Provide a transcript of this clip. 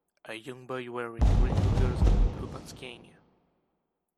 A young boy wearing green goggles and blue pants skiing.